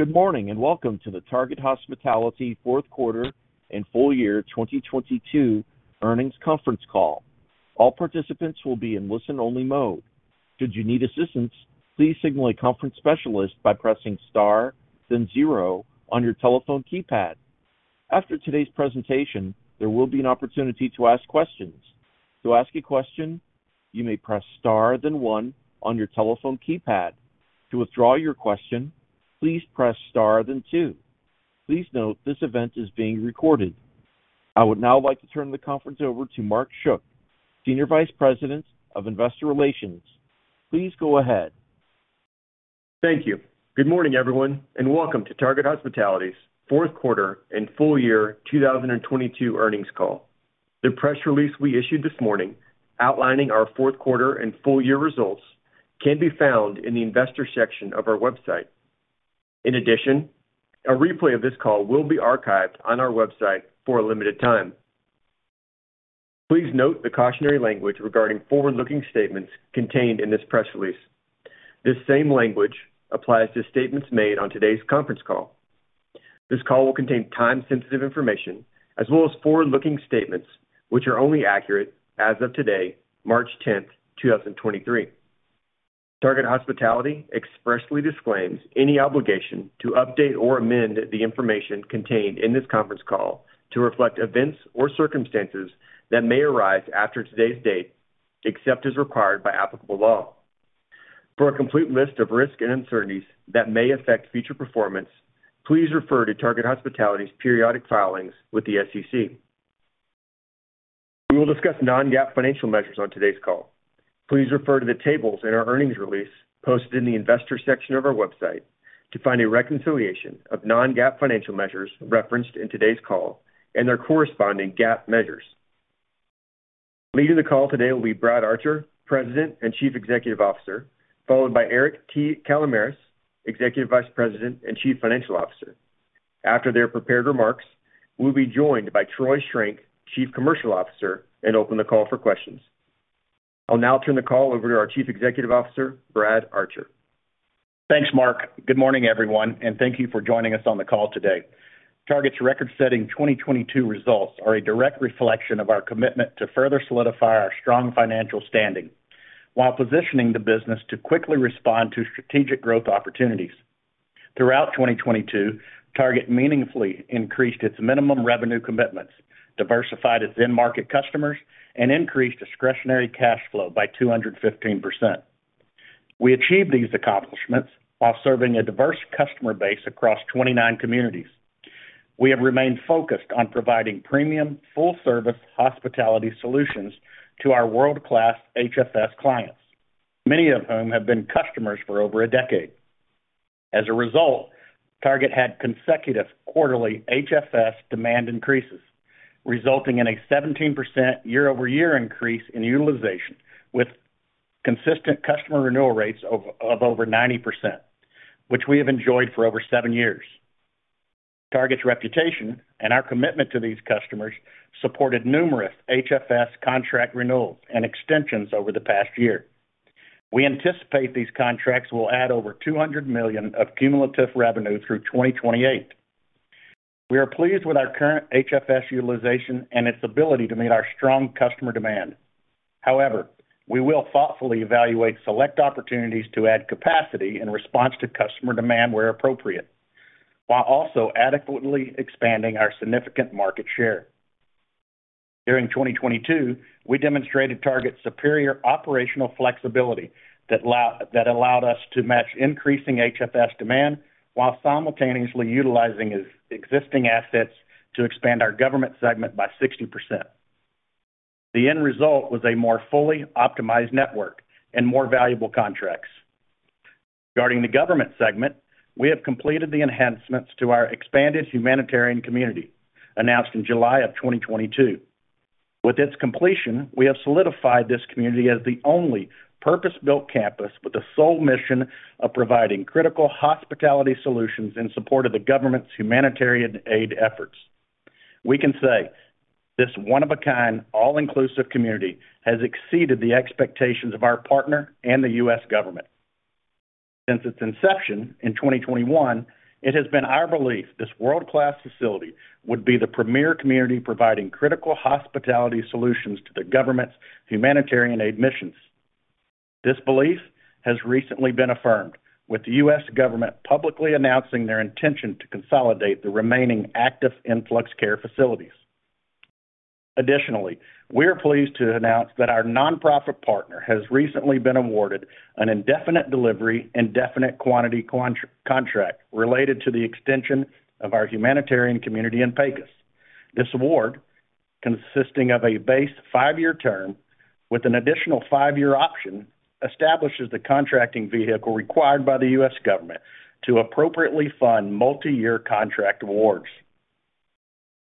Good morning, welcome to the Target Hospitality Fourth Quarter and Full Year 2022 Earnings Conference Call. All participants will be in listen-only mode. Should you need assistance, please signal a conference specialist by pressing star then zero on your telephone keypad. After today's presentation, there will be an opportunity to ask questions. To ask a question, you may press star then one on your telephone keypad. To withdraw your question, please press star then two. Please note this event is being recorded. I would now like to turn the conference over to Mark Schuck, Senior Vice President of Investor Relations. Please go ahead. Thank you. Good morning, everyone, and welcome to Target Hospitality's fourth quarter and full year 2022 earnings call. The press release we issued this morning outlining our fourth quarter and full year results can be found in the investor section of our website. In addition, a replay of this call will be archived on our website for a limited time. Please note the cautionary language regarding forward-looking statements contained in this press release. This same language applies to statements made on today's conference call. This call will contain time-sensitive information as well as forward-looking statements, which are only accurate as of today, March 10, 2023. Target Hospitality expressly disclaims any obligation to update or amend the information contained in this conference call to reflect events or circumstances that may arise after today's date, except as required by applicable law. For a complete list of risks and uncertainties that may affect future performance, please refer to Target Hospitality's periodic filings with the SEC. We will discuss non-GAAP financial measures on today's call. Please refer to the tables in our earnings release posted in the investor section of our website to find a reconciliation of non-GAAP financial measures referenced in today's call and their corresponding GAAP measures. Leading the call today will be Brad Archer, President and Chief Executive Officer, followed by Eric T. Kalamaras, Executive Vice President and Chief Financial Officer. After their prepared remarks, we'll be joined by Troy Schrenk, Chief Commercial Officer, and open the call for questions. I'll now turn the call over to our Chief Executive Officer, Brad Archer. Thanks, Mark. Good morning, everyone, and thank you for joining us on the call today. Target's record-setting 2022 results are a direct reflection of our commitment to further solidify our strong financial standing while positioning the business to quickly respond to strategic growth opportunities. Throughout 2022, Target meaningfully increased its minimum revenue commitments, diversified its end market customers, and increased discretionary cash flow by 215%. We achieved these accomplishments while serving a diverse customer base across 29 communities. We have remained focused on providing premium, full-service hospitality solutions to our world-class HFS clients, many of whom have been customers for over a decade. As a result, Target had consecutive quarterly HFS demand increases, resulting in a 17% year-over-year increase in utilization, with consistent customer renewal rates of over 90%, which we have enjoyed for over 7 years. Target's reputation and our commitment to these customers supported numerous HFS contract renewals and extensions over the past year. We anticipate these contracts will add over $200 million of cumulative revenue through 2028. We are pleased with our current HFS utilization and its ability to meet our strong customer demand. We will thoughtfully evaluate select opportunities to add capacity in response to customer demand where appropriate, while also adequately expanding our significant market share. During 2022, we demonstrated Target's superior operational flexibility that allowed us to match increasing HFS demand while simultaneously utilizing existing assets to expand our government segment by 60%. The end result was a more fully optimized network and more valuable contracts. Regarding the government segment, we have completed the enhancements to our expanded humanitarian community, announced in July of 2022. With its completion, we have solidified this community as the only purpose-built campus with the sole mission of providing critical hospitality solutions in support of the government's humanitarian aid efforts. We can say this one of a kind, all-inclusive community has exceeded the expectations of our partner and the U.S. government. Since its inception in 2021, it has been our belief this world-class facility would be the premier community providing critical hospitality solutions to the government's humanitarian aid missions. This belief has recently been affirmed, with the U.S. government publicly announcing their intention to consolidate the remaining active influx care facilities. We are pleased to announce that our nonprofit partner has recently been awarded an indefinite delivery, indefinite quantity contract related to the extension of our humanitarian community in Pecos. This award, consisting of a base 5-year term with an additional 5-year option, establishes the contracting vehicle required by the U.S. government to appropriately fund multi-year contract awards.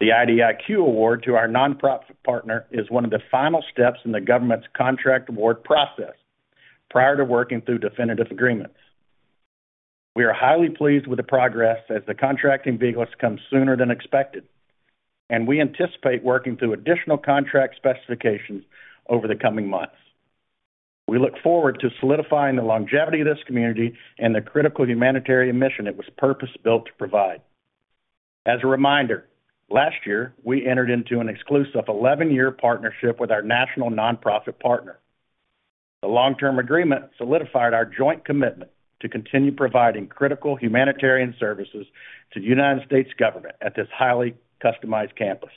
The IDIQ award to our nonprofit partner is one of the final steps in the government's contract award process prior to working through definitive agreements. We are highly pleased with the progress as the contracting vehicle has come sooner than expected, and we anticipate working through additional contract specifications over the coming months. We look forward to solidifying the longevity of this community and the critical humanitarian mission it was purpose-built to provide. As a reminder, last year, we entered into an exclusive 11-year partnership with our national nonprofit partner. The long-term agreement solidified our joint commitment to continue providing critical humanitarian services to the United States government at this highly customized campus.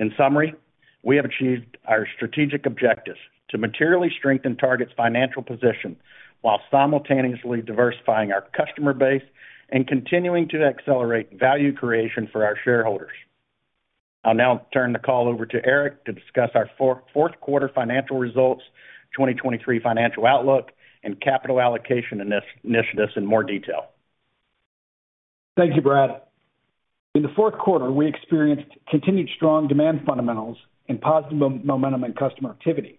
In summary, we have achieved our strategic objectives to materially strengthen Target's financial position while simultaneously diversifying our customer base and continuing to accelerate value creation for our shareholders. I'll now turn the call over to Eric to discuss our fourth quarter financial results, 2023 financial outlook, and capital allocation initiatives in more detail. Thank you, Brad. In the fourth quarter, we experienced continued strong demand fundamentals and positive momentum in customer activity,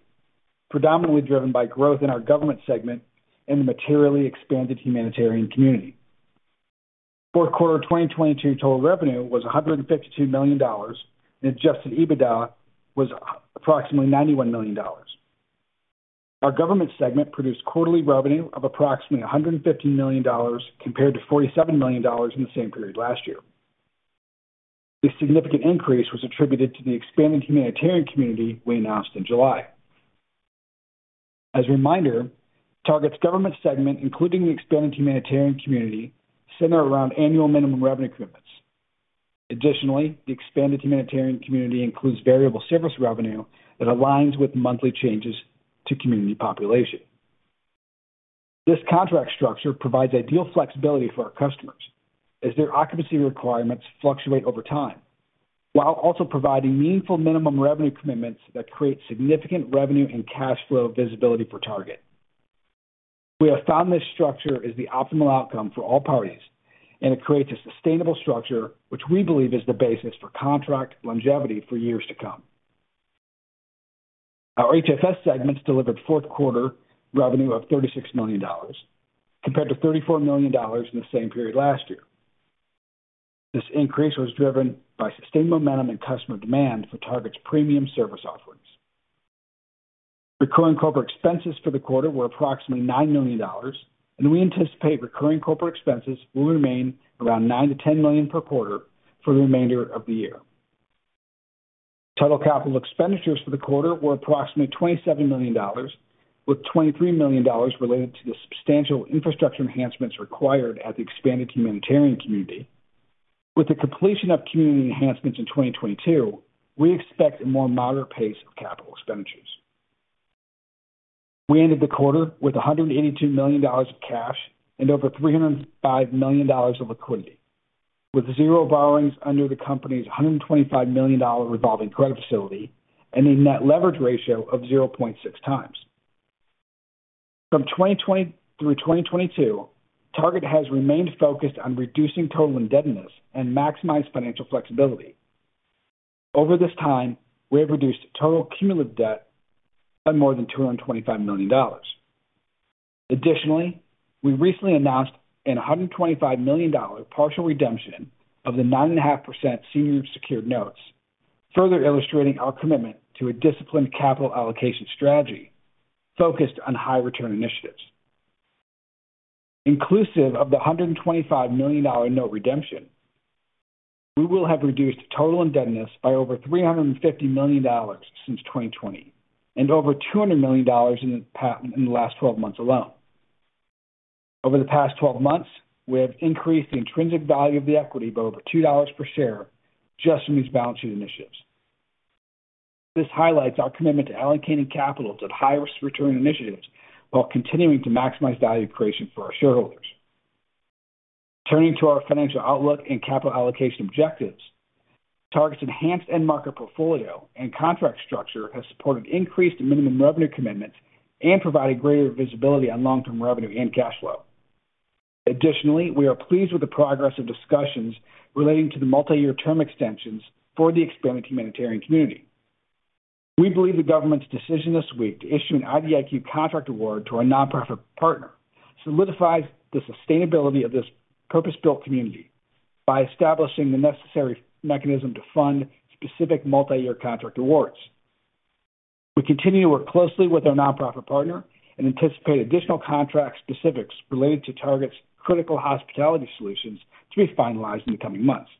predominantly driven by growth in our government segment and the materially expanded humanitarian community. Fourth quarter 2022 total revenue was $152 million, and Adjusted EBITDA was approximately $91 million. Our government segment produced quarterly revenue of approximately $150 million compared to $47 million in the same period last year. This significant increase was attributed to the expanding humanitarian community we announced in July. As a reminder, Target's government segment, including the expanded humanitarian community, center around annual minimum revenue commitments. Additionally, the expanded humanitarian community includes variable service revenue that aligns with monthly changes to community population. This contract structure provides ideal flexibility for our customers as their occupancy requirements fluctuate over time, while also providing meaningful minimum revenue commitments that create significant revenue and cash flow visibility for Target. We have found this structure is the optimal outcome for all parties, it creates a sustainable structure which we believe is the basis for contract longevity for years to come. Our HFS segments delivered fourth quarter revenue of $36 million compared to $34 million in the same period last year. This increase was driven by sustained momentum and customer demand for Target's premium service offerings. Recurring corporate expenses for the quarter were approximately $9 million, we anticipate recurring corporate expenses will remain around $9 million-$10 million per quarter for the remainder of the year. Total capital expenditures for the quarter were approximately $27 million, with $23 million related to the substantial infrastructure enhancements required at the expanded humanitarian community. With the completion of community enhancements in 2022, we expect a more moderate pace of capital expenditures. We ended the quarter with $182 million of cash and over $305 million of liquidity, with zero borrowings under the company's $125 million revolving credit facility and a net leverage ratio of 0.6 times. From 2020 through 2022, Target has remained focused on reducing total indebtedness and maximize financial flexibility. Over this time, we have reduced total cumulative debt by more than $225 million. Additionally, we recently announced an $125 million partial redemption of the nine and a half percent Senior Secured Notes, further illustrating our commitment to a disciplined capital allocation strategy focused on high return initiatives. Inclusive of the $125 million note redemption, we will have reduced total indebtedness by over $350 million since 2020 and over $200 million in the last 12 months alone. Over the past 12 months, we have increased the intrinsic value of the equity by over $2 per share just in these balance sheet initiatives. This highlights our commitment to allocating capital to high-risk return initiatives while continuing to maximize value creation for our shareholders. Turning to our financial outlook and capital allocation objectives, Target's enhanced end market portfolio and contract structure has supported increased minimum revenue commitments and provided greater visibility on long-term revenue and cash flow. Additionally, we are pleased with the progress of discussions relating to the multi-year term extensions for the expanded humanitarian community. We believe the government's decision this week to issue an IDIQ contract award to our nonprofit partner solidifies the sustainability of this purpose-built community by establishing the necessary mechanism to fund specific multi-year contract awards. We continue to work closely with our nonprofit partner and anticipate additional contract specifics related to Target's critical hospitality solutions to be finalized in the coming months.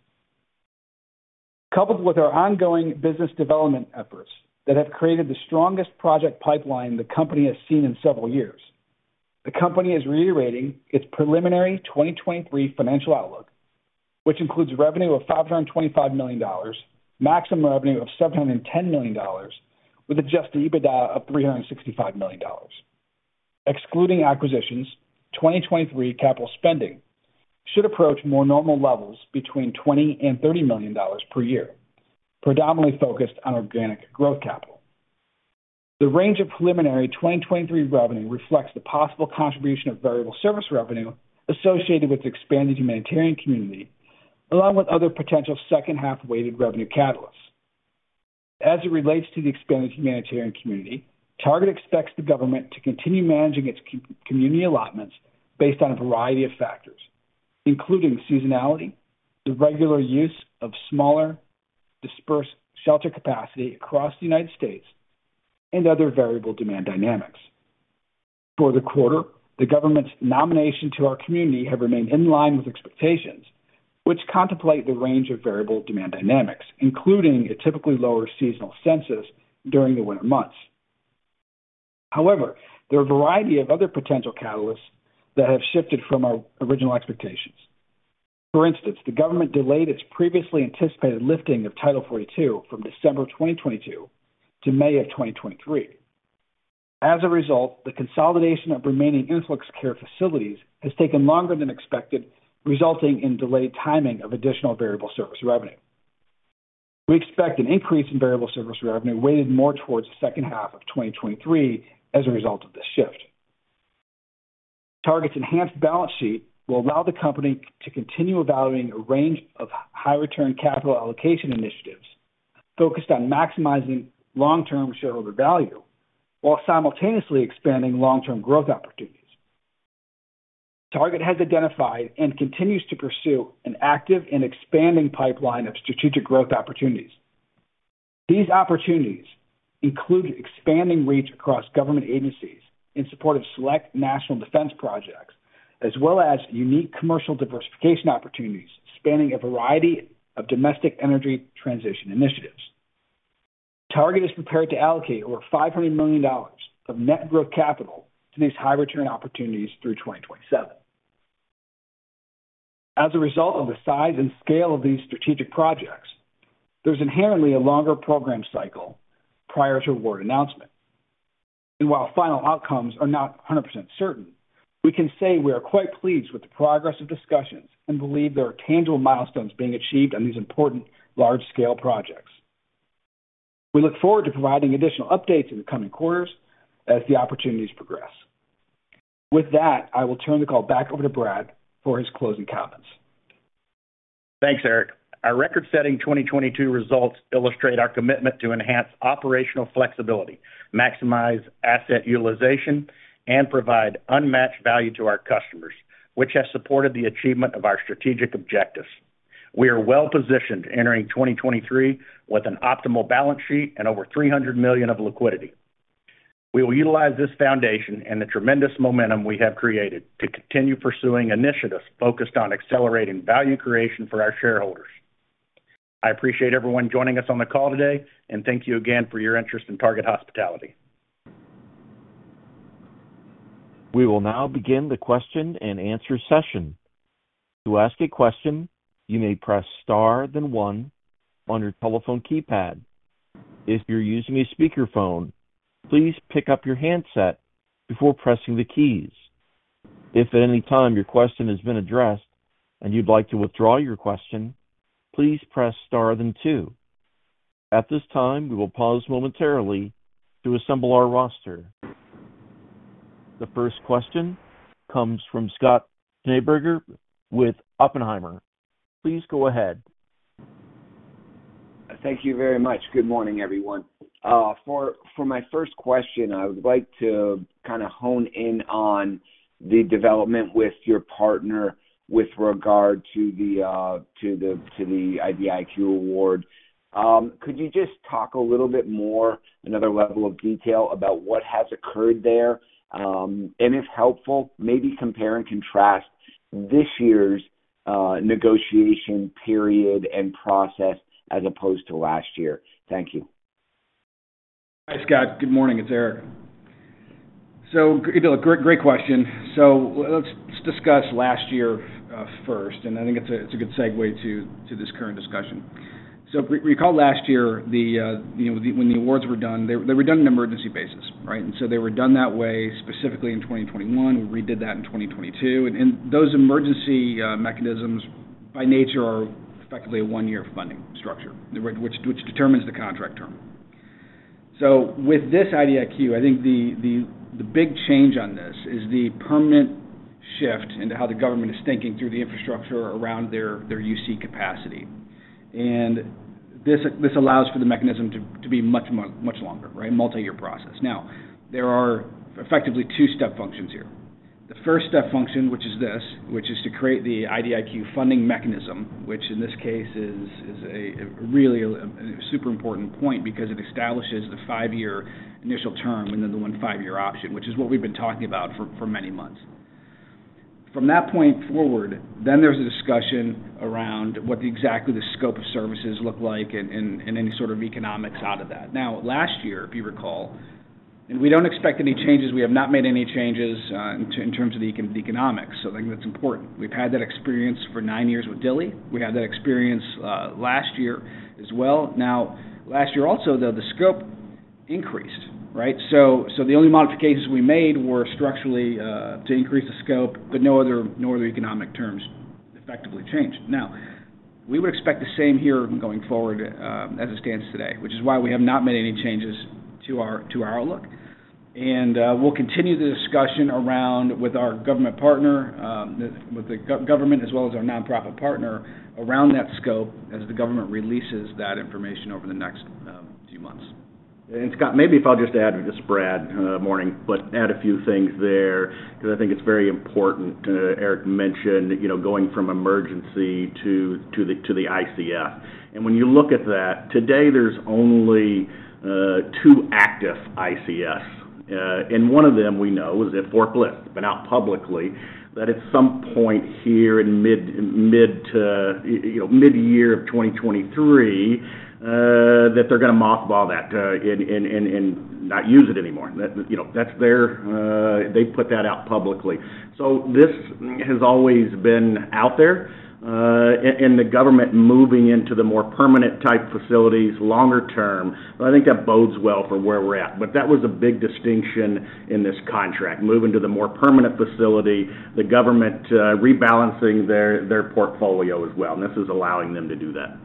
Coupled with our ongoing business development efforts that have created the strongest project pipeline the company has seen in several years, the company is reiterating its preliminary 2023 financial outlook, which includes revenue of $525 million, maximum revenue of $710 million with Adjusted EBITDA of $365 million. Excluding acquisitions, 2023 capital spending should approach more normal levels between $20 million-$30 million per year, predominantly focused on organic growth capital. The range of preliminary 2023 revenue reflects the possible contribution of variable service revenue associated with the expanded humanitarian community, along with other potential second half weighted revenue catalysts. As it relates to the expanded humanitarian community, Target expects the government to continue managing its community allotments based on a variety of factors. Including seasonality, the regular use of smaller dispersed shelter capacity across the United States, and other variable demand dynamics. For the quarter, the government's nomination to our community have remained in line with expectations, which contemplate the range of variable demand dynamics, including a typically lower seasonal census during the winter months. However, there are a variety of other potential catalysts that have shifted from our original expectations. For instance, the government delayed its previously anticipated lifting of Title 42 from December 2022 to May of 2023. As a result, the consolidation of remaining influx care facilities has taken longer than expected, resulting in delayed timing of additional variable service revenue. We expect an increase in variable service revenue weighted more towards the second half of 2023 as a result of this shift. Target's enhanced balance sheet will allow the company to continue evaluating a range of high return capital allocation initiatives focused on maximizing long-term shareholder value while simultaneously expanding long-term growth opportunities. Target has identified and continues to pursue an active and expanding pipeline of strategic growth opportunities. These opportunities include expanding reach across government agencies in support of select national defense projects, as well as unique commercial diversification opportunities spanning a variety of domestic energy transition initiatives. Target is prepared to allocate over $500 million of net growth capital to these high return opportunities through 2027. As a result of the size and scale of these strategic projects, there's inherently a longer program cycle prior to award announcement. While final outcomes are not 100% certain, we can say we are quite pleased with the progress of discussions and believe there are tangible milestones being achieved on these important large scale projects. We look forward to providing additional updates in the coming quarters as the opportunities progress. With that, I will turn the call back over to Brad for his closing comments. Thanks, Eric. Our record-setting 2022 results illustrate our commitment to enhance operational flexibility, maximize asset utilization, and provide unmatched value to our customers, which has supported the achievement of our strategic objectives. We are well positioned entering 2023 with an optimal balance sheet and over $300 million of liquidity. We will utilize this foundation and the tremendous momentum we have created to continue pursuing initiatives focused on accelerating value creation for our shareholders. I appreciate everyone joining us on the call today, and thank you again for your interest in Target Hospitality. We will now begin the question and answer session. To ask a question, you may press star then one on your telephone keypad. If you're using a speakerphone, please pick up your handset before pressing the keys. If at any time your question has been addressed and you'd like to withdraw your question, please press star then two. At this time, we will pause momentarily to assemble our roster. The first question comes from Scott Schneeberger with Oppenheimer. Please go ahead. Thank you very much. Good morning, everyone. For my first question, I would like to kind of hone in on the development with your partner with regard to the IDIQ award. Could you just talk a little bit more, another level of detail about what has occurred there? If helpful, maybe compare and contrast this year's negotiation period and process as opposed to last year. Thank you. Hi, Scott. Good morning. It's Eric. Great question. Let's discuss last year first, and I think it's a good segue to this current discussion. If we recall last year, the, you know, when the awards were done, they were done on an emergency basis, right? They were done that way specifically in 2021. We redid that in 2022. Those emergency mechanisms by nature are effectively a 1-year funding structure, which determines the contract term. With this IDIQ, I think the big change on this is the permanent shift into how the government is thinking through the infrastructure around their UC capacity. This allows for the mechanism to be much more, much longer, right? Multi-year process. There are effectively 2 step functions here. The first step function, which is this, which is to create the IDIQ funding mechanism, which in this case is a really super important point because it establishes the five-year initial term and then the one five-year option, which is what we've been talking about for many months. From that point forward, then there's a discussion around what exactly the scope of services look like and any sort of economics out of that. Last year, if you recall, and we don't expect any changes, we have not made any changes in terms of economics. I think that's important. We've had that experience for nine years with Dilley. We had that experience last year as well. Last year also, though the scope increased, right? The only modifications we made were structurally to increase the scope, but no other economic terms effectively changed. We would expect the same here going forward as it stands today, which is why we have not made any changes to our outlook. We'll continue the discussion around with our government partner, with the government as well as our nonprofit partner around that scope as the government releases that information over the next few months. Scott, maybe if I'll just add to Brad morning, but add a few things there because I think it's very important. Eric mentioned, you know, going from emergency to the ICF. When you look at that, today there's only two active ICS. One of them we know is at Fort Bliss, but not publicly, that at some point here in mid to, you know, midyear of 2023, that they're gonna mothball that and not use it anymore. That, you know, that's their. They put that out publicly. This has always been out there and the government moving into the more permanent type facilities longer term. I think that bodes well for where we're at. That was a big distinction in this contract, moving to the more permanent facility, the government, rebalancing their portfolio as well, and this is allowing them to do that.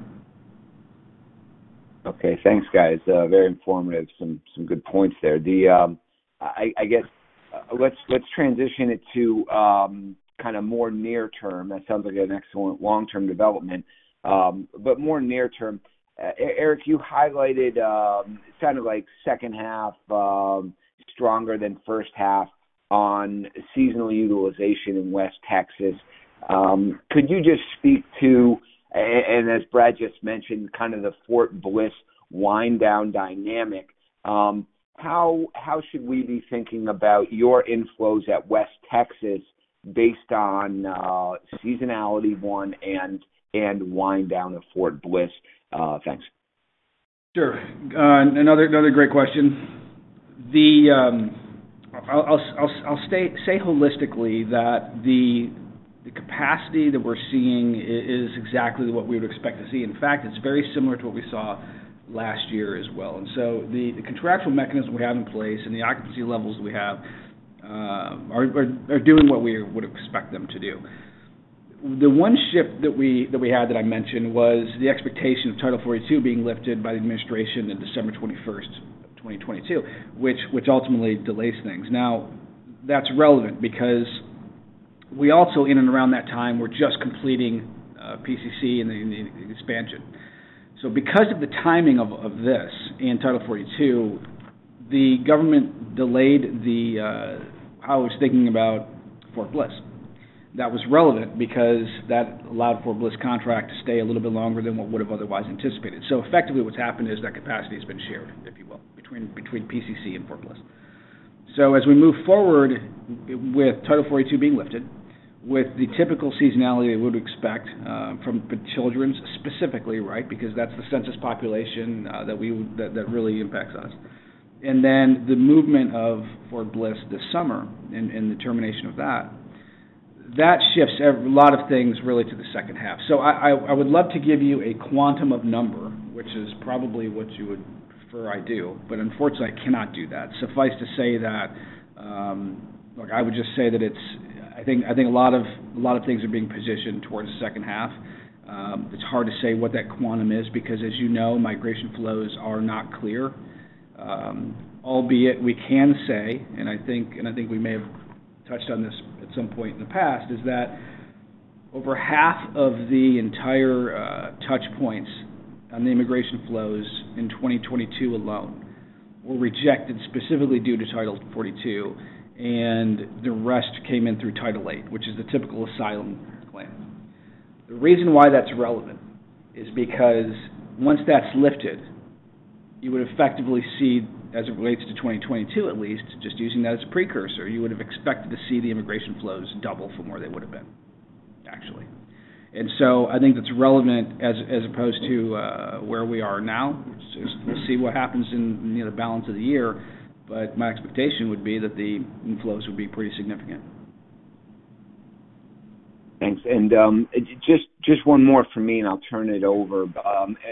Okay. Thanks, guys. Very informative. Some good points there. I guess, let's transition it to kind of more near term. That sounds like an excellent long-term development. But more near term, Eric, you highlighted kind of like second half, stronger than first half on seasonal utilization in West Texas. Could you just speak to, and as Brad just mentioned, kind of the Fort Bliss wind down dynamic, how should we be thinking about your inflows at West Texas based on seasonality one and wind down of Fort Bliss? Thanks. Sure. Another great question. The, I'll say holistically that the capacity that we're seeing is exactly what we would expect to see. In fact, it's very similar to what we saw last year as well. The contractual mechanism we have in place and the occupancy levels we have are doing what we would expect them to do. The one shift that we had that I mentioned was the expectation of Title 42 being lifted by the administration on December 21st, 2022, which ultimately delays things. That's relevant because we also, in and around that time, were just completing PCC and the expansion. Because of the timing of this and Title 42, the government delayed the how it was thinking about Fort Bliss. That was relevant because that allowed Fort Bliss contract to stay a little bit longer than what would have otherwise anticipated. Effectively, what's happened is that capacity has been shared, if you will, between PCC and Fort Bliss. As we move forward with Title 42 being lifted, with the typical seasonality I would expect from the children's specifically, right? Because that's the census population that really impacts us. Then the movement of Fort Bliss this summer and the termination of that shifts a lot of things really to the second half. I would love to give you a quantum of number, which is probably what you would prefer I do, but unfortunately, I cannot do that. Suffice to say that, look, I would just say that it's... I think a lot of things are being positioned towards the second half. It's hard to say what that quantum is because, as you know, migration flows are not clear. Albeit we can say, and I think we may have touched on this at some point in the past, is that over half of the entire touch points on the immigration flows in 2022 alone were rejected specifically due to Title 42, and the rest came in through Title 8, which is the typical asylum claim. The reason why that's relevant is because once that's lifted, you would effectively see, as it relates to 2022 at least, just using that as a precursor, you would have expected to see the immigration flows double from where they would have been, actually. I think that's relevant as opposed to where we are now. Let's see what happens in, you know, the balance of the year. My expectation would be that the inflows would be pretty significant. Thanks. Just one more for me, and I'll turn it over.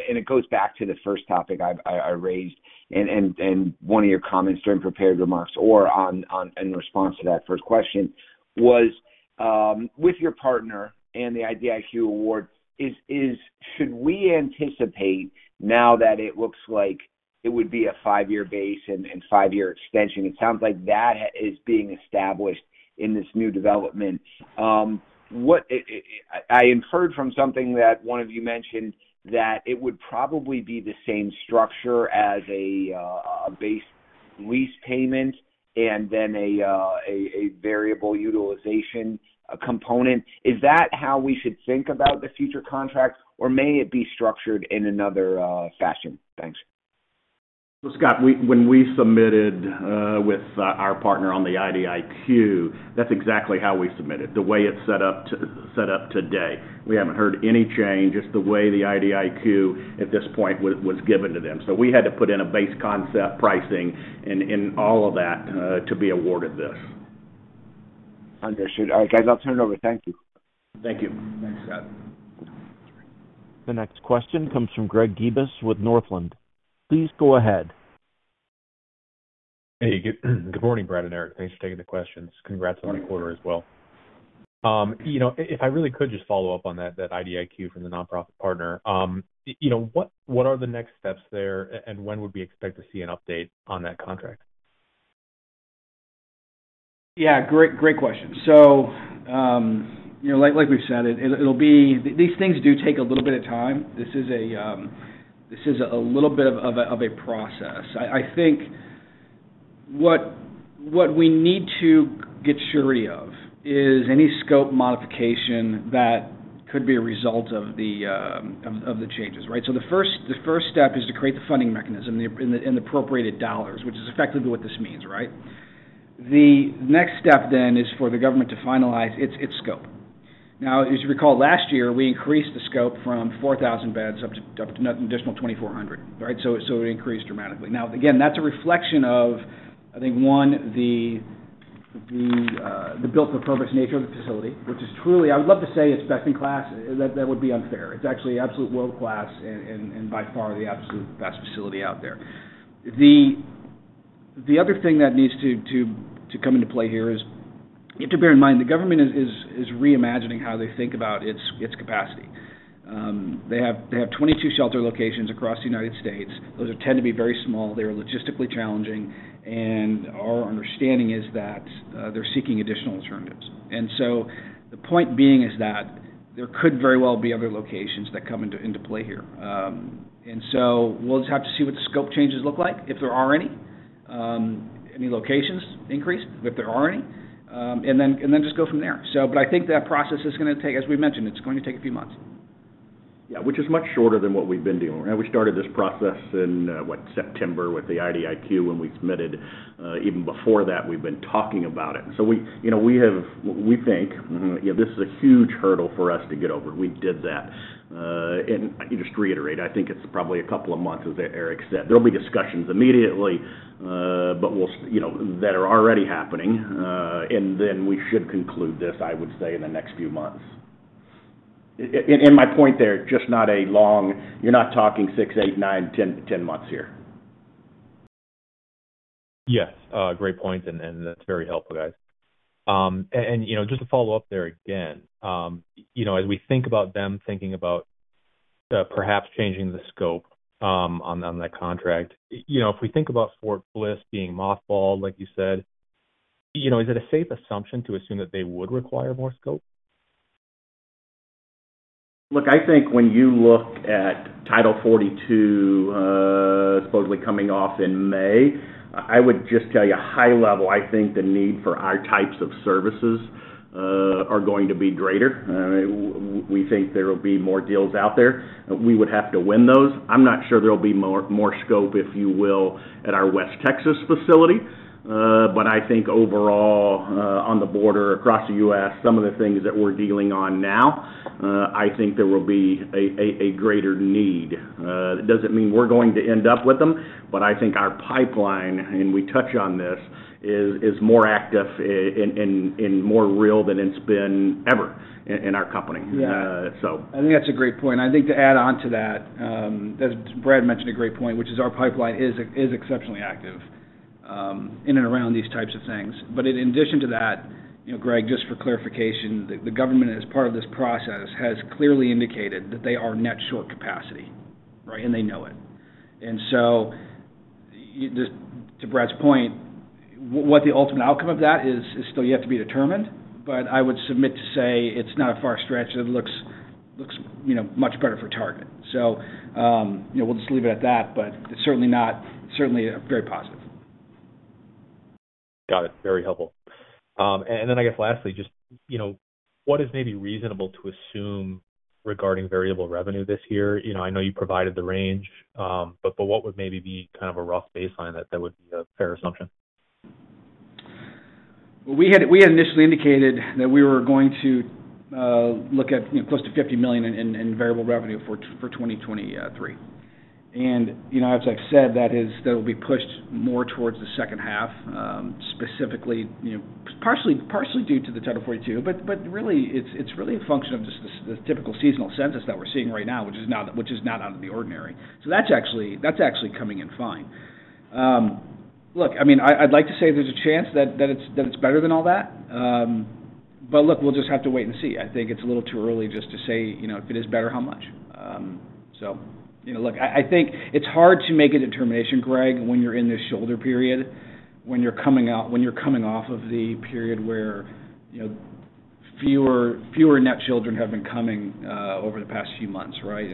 It goes back to the first topic I raised and one of your comments during prepared remarks or in response to that first question was with your partner and the IDIQ award should we anticipate now that it looks like it would be a 5-year base and 5-year extension? It sounds like that is being established in this new development. I inferred from something that one of you mentioned that it would probably be the same structure as a base lease payment and then a variable utilization component. Is that how we should think about the future contract, or may it be structured in another fashion? Thanks. Scott, when we submitted with our partner on the IDIQ, that's exactly how we submitted, the way it's set up today. We haven't heard any change. It's the way the IDIQ at this point was given to them. We had to put in a base concept pricing and all of that to be awarded this. Understood. All right, guys, I'll turn it over. Thank you. Thank you. Thanks, Scott. The next question comes from Greg Gibas with Northland. Please go ahead. Hey, good morning, Brad and Eric. Thanks for taking the questions. Congrats on the quarter as well. You know, if I really could just follow up on that IDIQ from the nonprofit partner. You know, what are the next steps there, and when would we expect to see an update on that contract? Yeah, great question. You know, like we've said it'll be these things do take a little bit of time. This is a little bit of a process. I think what we need to get surety of is any scope modification that could be a result of the changes, right? The first step is to create the funding mechanism in the appropriated dollars, which is effectively what this means, right? The next step then is for the government to finalize its scope. As you recall, last year, we increased the scope from 4,000 beds up to an additional 2,400, right? It increased dramatically. Again, that's a reflection of, I think, one, the built-for-purpose nature of the facility, which is truly, I would love to say it's best in class. That would be unfair. It's actually absolute world-class and by far the absolute best facility out there. The other thing that needs to come into play here is you have to bear in mind, the government is reimagining how they think about its capacity. They have 22 shelter locations across the United States. Those tend to be very small. They are logistically challenging, and our understanding is that they're seeking additional alternatives. The point being is that there could very well be other locations that come into play here. We'll just have to see what the scope changes look like, if there are any locations increase, if there are any, and then, and then just go from there. I think that process is gonna take, as we mentioned, it's going to take a few months. Yeah. Which is much shorter than what we've been doing. We started this process in, what, September with the IDIQ, we submitted, even before that, we've been talking about it. We, you know, we think, you know, this is a huge hurdle for us to get over. We did that. I can just reiterate, I think it's probably a couple of months, as Eric said. There'll be discussions immediately, but we'll, you know, that are already happening. We should conclude this, I would say, in the next few months. My point there, you're not talking 6, 8, 9, 10 months here. Yes. great point. And that's very helpful, guys. you know, just to follow up there again, you know, as we think about them thinking about, perhaps changing the scope, on that contract, you know, if we think about Fort Bliss being mothballed, like you said, you know, is it a safe assumption to assume that they would require more scope? I think when you look at Title 42, supposedly coming off in May, I would just tell you high level, I think the need for our types of services are going to be greater. We think there will be more deals out there. We would have to win those. I'm not sure there'll be more scope, if you will, at our West Texas facility. I think overall, on the border across the US, some of the things that we're dealing on now, I think there will be a greater need. That doesn't mean we're going to end up with them, but I think our pipeline, and we touch on this, is more active and more real than it's been ever in our company. Yeah. Uh, so. I think that's a great point. I think to add on to that, as Brad mentioned, a great point, which is our pipeline is exceptionally active in and around these types of things. In addition to that, you know, Greg, just for clarification, the government as part of this process has clearly indicated that they are net short capacity, right? They know it. Just to Brad's point, what the ultimate outcome of that is still yet to be determined. I would submit to say it's not a far stretch. It looks, you know, much better for Target. You know, we'll just leave it at that, but it's certainly very positive. Got it. Very helpful. I guess lastly, just, you know, what is maybe reasonable to assume regarding variable revenue this year? You know, I know you provided the range, but what would maybe be kind of a rough baseline that would be a fair assumption? We had initially indicated that we were going to look at, you know, close to $50 million in variable revenue for 2023. You know, as I've said, that'll be pushed more towards the second half, specifically, you know, partially due to the Title 42, but really it's a function of just the typical seasonal census that we're seeing right now, which is not out of the ordinary. That's actually coming in fine. Look, I mean, I'd like to say there's a chance that it's better than all that. Look, we'll just have to wait and see. I think it's a little too early just to say, you know, if it is better, how much? You know, look, I think it's hard to make a determination, Greg, when you're in this shoulder period, when you're coming off of the period where, you know, fewer net children have been coming over the past few months, right?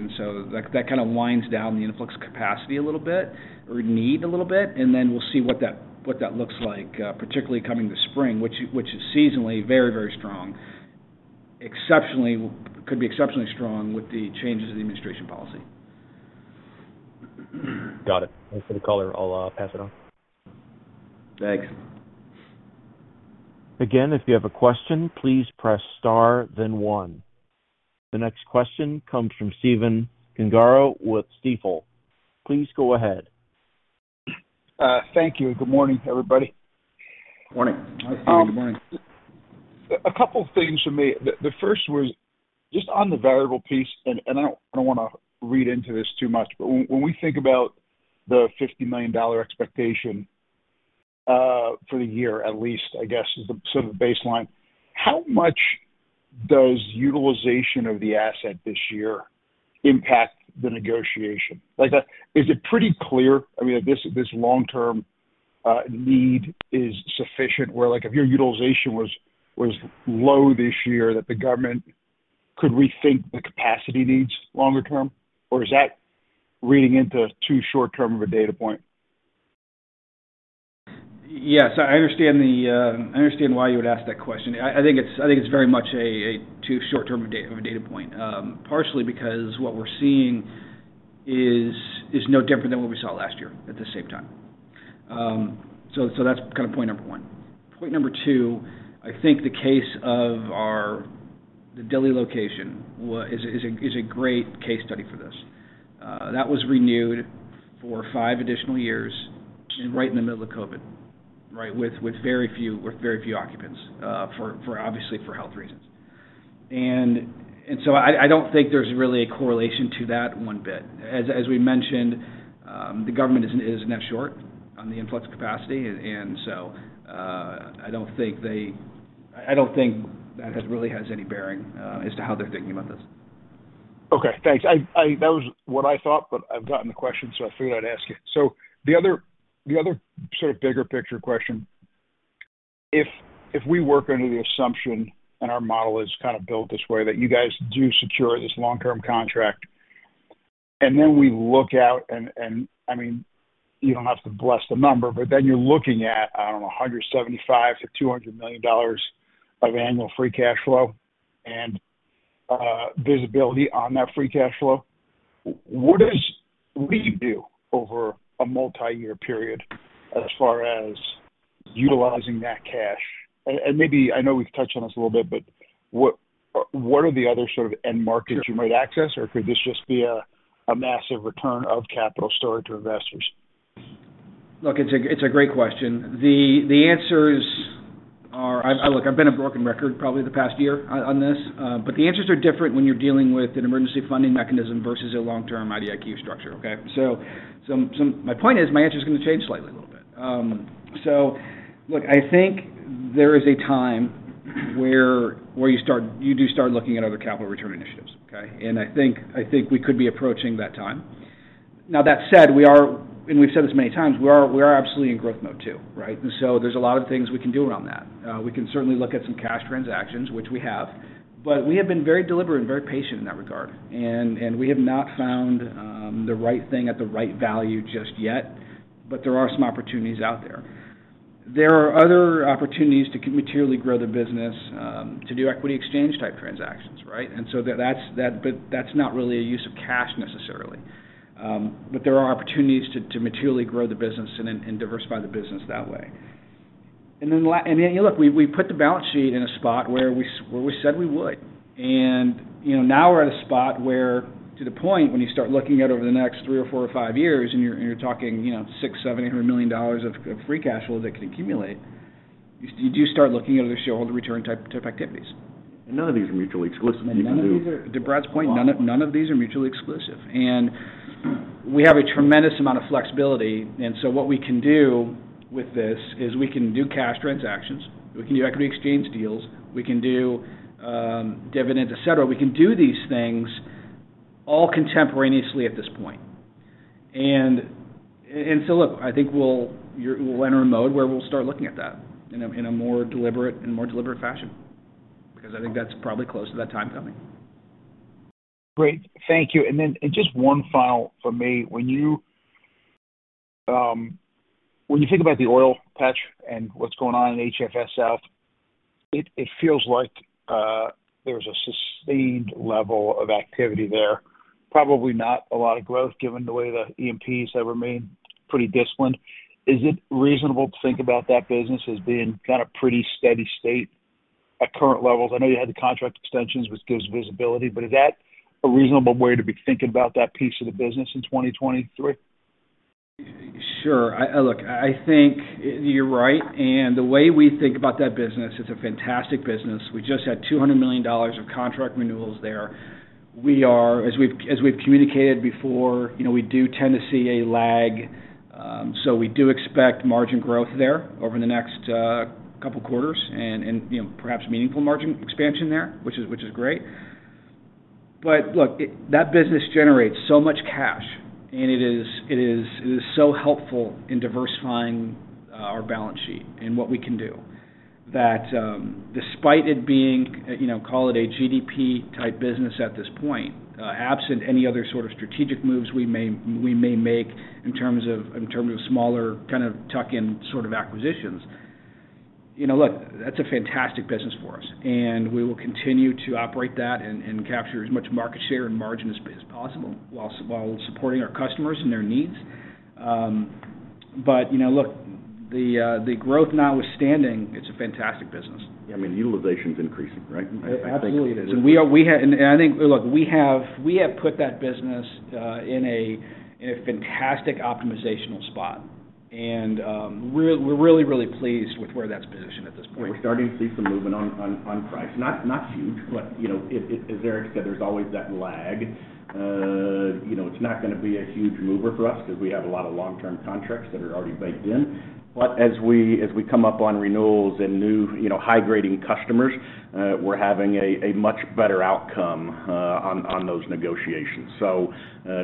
That kind of winds down the influx capacity a little bit or need a little bit, and then we'll see what that looks like, particularly coming this spring, which is seasonally very, very strong. Could be exceptionally strong with the changes in the administration policy. Got it. Thanks for the color. I'll pass it on. Thanks. If you have a question, please press star then one. The next question comes from Stephen Gengaro with Stifel. Please go ahead. Thank you. Good morning, everybody. Morning. Hi, Stephen. Good morning. A couple of things from me. The first was just on the variable piece, and I don't wanna read into this too much, but when we think about the $50 million expectation for the year at least, I guess is the sort of baseline. How much does utilization of the asset this year impact the negotiation? Like, is it pretty clear, I mean, this long-term need is sufficient, where like if your utilization was low this year, that the government could rethink the capacity needs longer term? Or is that reading into too short-term of a data point? Yes, I understand the, I understand why you would ask that question. I think it's very much a too short-term a data, of a data point. Partially because what we're seeing is no different than what we saw last year at the same time. So that's kind of point number one. Point number two, I think the case of our... the Dilley location is a great case study for this. That was renewed for five additional years right in the middle of COVID, right? With very few occupants, for obviously for health reasons. So I don't think there's really a correlation to that one bit. As we mentioned, the government is net short on the influx capacity and so, I don't think that really has any bearing as to how they're thinking about this. Okay, thanks. I That was what I thought, but I've gotten the question, so I figured I'd ask you. The other sort of bigger picture question: If, if we work under the assumption, and our model is kind of built this way, that you guys do secure this long-term contract, and then we look out and, I mean, you don't have to bless the number, but then you're looking at, I don't know, $175 million-$200 million of annual free cash flow and visibility on that free cash flow. What does we do over a multi-year period as far as utilizing that cash? Maybe I know we've touched on this a little bit, but what are the other sort of end markets you might access? could this just be a massive return of capital stored to investors? Look, it's a great question. The answers are. I Look, I've been a broken record probably the past year on this, the answers are different when you're dealing with an emergency funding mechanism versus a long-term IDIQ structure, okay? My point is my answer's gonna change slightly a little bit. Look, I think there is a time where you start, you do start looking at other capital return initiatives, okay? I think we could be approaching that time. Now, that said, we are, and we've said this many times, we are absolutely in growth mode too, right? There's a lot of things we can do around that. We can certainly look at some cash transactions, which we have, we have been very deliberate and very patient in that regard. We have not found the right thing at the right value just yet, but there are some opportunities out there. There are other opportunities to materially grow the business, to do equity exchange type transactions, right? But that's not really a use of cash necessarily. There are opportunities to materially grow the business and then diversify the business that way. Then look, we put the balance sheet in a spot where we said we would. You know, now we're at a spot where, to the point, when you start looking at over the next 3 or 4 or 5 years and you're talking, you know, $600 million-$800 million of free cash flow that could accumulate, you do start looking at other shareholder return type activities. None of these are mutually exclusive. None of these are. To Brad's point, none of these are mutually exclusive. We have a tremendous amount of flexibility, what we can do with this is we can do cash transactions, we can do equity exchange deals, we can do dividends, et cetera. We can do these things all contemporaneously at this point. So look, I think we'll enter a mode where we'll start looking at that in a more deliberate fashion, because I think that's probably close to that time coming. Great. Thank you. Then, just one final from me. When you think about the oil patch and what's going on in HFS South, it feels like there's a sustained level of activity there. Probably not a lot of growth given the way the E&Ps have remained pretty disciplined. Is it reasonable to think about that business as being kind of pretty steady state at current levels? I know you had the contract extensions, which gives visibility, but is that a reasonable way to be thinking about that piece of the business in 2023? Sure. I, look, I think you're right, and the way we think about that business, it's a fantastic business. We just had $200 million of contract renewals there. We are, as we've communicated before, you know, we do tend to see a lag, so we do expect margin growth there over the next couple quarters and, you know, perhaps meaningful margin expansion there, which is great. Look, that business generates so much cash, and it is so helpful in diversifying our balance sheet and what we can do that, despite it being, you know, call it a GDP type business at this point, absent any other sort of strategic moves we may make in terms of smaller kind of tuck-in sort of acquisitions. You know, look, that's a fantastic business for us, and we will continue to operate that and capture as much market share and margin as possible while supporting our customers and their needs. You know, look, the growth notwithstanding, it's a fantastic business. I mean, utilization's increasing, right? I think- Absolutely. We have put that business in a fantastic optimizational spot. We're really, really pleased with where that's positioned at this point. We're starting to see some movement on price. Not huge, but, you know, it as Eric said, there's always that lag. You know, it's not gonna be a huge mover for us because we have a lot of long-term contracts that are already baked in. As we come up on renewals and new, you know, high-grading customers, we're having a much better outcome on those negotiations.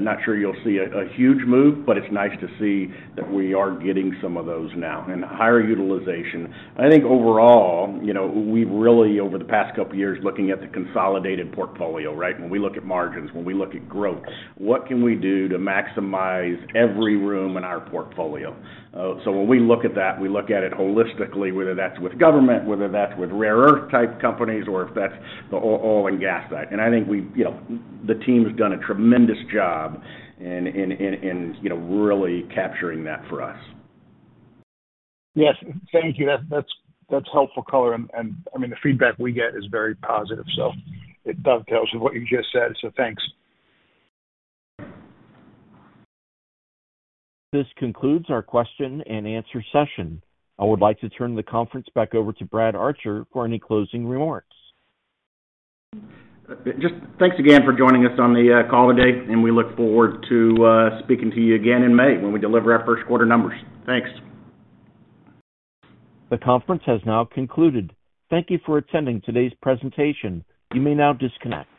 Not sure you'll see a huge move, but it's nice to see that we are getting some of those now and higher utilization. I think overall, you know, we've really, over the past couple of years, looking at the consolidated portfolio, right? When we look at margins, when we look at growth, what can we do to maximize every room in our portfolio? When we look at that, we look at it holistically, whether that's with government, whether that's with rare earth type companies or if that's the oil and gas side. I think we've you know, the team's done a tremendous job in, you know, really capturing that for us. Yes. Thank you. That's helpful color and, I mean, the feedback we get is very positive. It dovetails with what you just said. Thanks. This concludes our question and answer session. I would like to turn the conference back over to Brad Archer for any closing remarks. Just thanks again for joining us on the call today, and we look forward to speaking to you again in May when we deliver our first quarter numbers. Thanks. The conference has now concluded. Thank you for attending today's presentation. You may now disconnect.